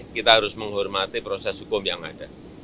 kita harus menghormati proses hukum yang ada